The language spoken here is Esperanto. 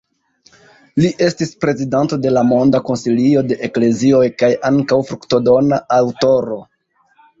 Li estis prezidanto de la Monda Konsilio de Eklezioj kaj ankaŭ fruktodona aŭtoro.